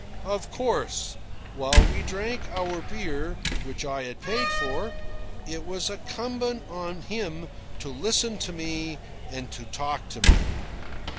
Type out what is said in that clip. Of course, while we drank our beer, which I had paid for, it was incumbent on him to listen to me and to talk to me.